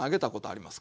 あります。